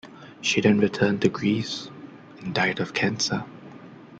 She then returned to Greece and died of cancer.